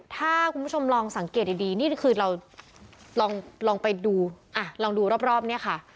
ถ้าคุณผู้ชมลองสังเกตดีนี่คือเราลองไปดูลองดูรอบเนี่ยค่ะ